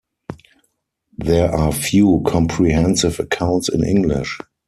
There are few comprehensive accounts in English.